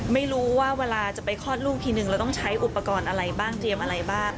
ไม่รู้ว่าเวลาจะไปคลอดลูกทีนึงเราต้องใช้อุปกรณ์อะไรบ้างเตรียมอะไรบ้าง